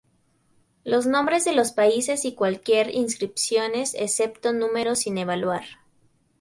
Los nombres de los países y cualquier inscripciones excepto números sin evaluar.